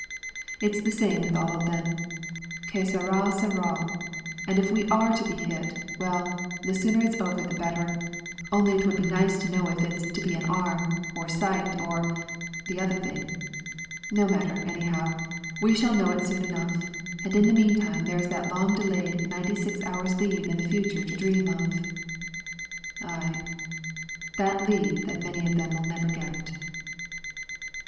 It's the same with all of them. "Che sarà, sarà, and if we are to be hit, well, the sooner it's over the better, only it would be nice to know if it's to be an arm, or sight or the other thing. No matter, anyhow. We shall know it soon enough, and in the meantime there is that long delayed ninety six hours' leave in the future to dream of " Aye, that leave that many of them will never get!